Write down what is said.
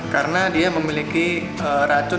karena dia memiliki racun